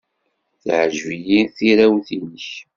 Teɛjeb-iyi tirawt-nnek.